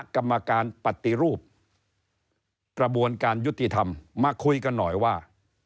กระบวนการยุติธรรมมาคุยกันหน่อยว่า